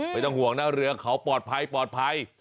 ไม่ต้องห่วงนะเรือเขาปลอดภัย